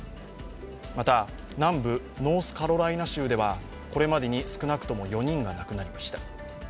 また、南部ノースカロライナ州ではこれまでに少なくとも４人が亡くなりました。